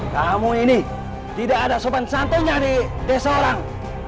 kamu ini tidak ada sopan santunya di desa orang